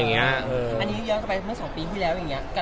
อันนี้ย้อนกลับไปเมื่อ๒ปีที่แล้วอย่างนี้